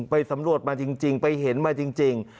ไปสำรวจมาจริงไปเห็นมาจริง